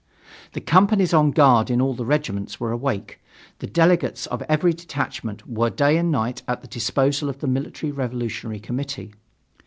The companies on guard in all the regiments were awake. The delegates of every detachment were day and night at the disposal of the Military Revolutionary Committee.